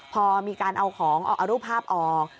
พอมีการเอาของออกเอารูปภาพออก